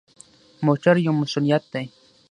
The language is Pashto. موټر یو مسؤلیت دی.